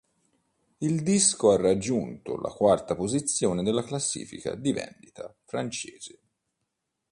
Il disco ha raggiunto la quarta posizione della classifica di vendita francese.